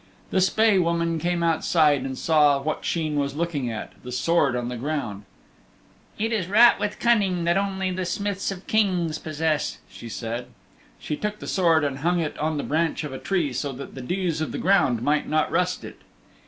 The Spae Woman came outside and saw what Sheen was looking at the sword on the ground. "It is wrought with cunning that only the smiths of Kings possess," she said. She took the sword and hung it on the branch of a tree so that the dews of the ground might not rust it.